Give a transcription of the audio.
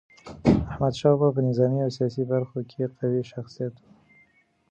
احمد شاه بابا په نظامي او سیاسي برخو کي قوي شخصیت و.